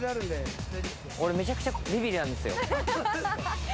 俺めちゃくちゃビビりなんですよ。